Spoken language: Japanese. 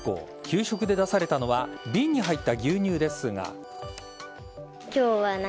給食で出されたのは瓶に入った牛乳ですが。